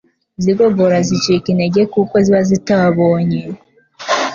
z’igogora zicika intege kuko ziba zitabonye